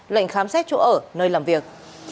lệnh khám xét chỗ ở nơi làm việc